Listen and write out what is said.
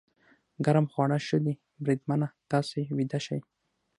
ګرم خواړه ښه دي، بریدمنه، تاسې ویده شئ.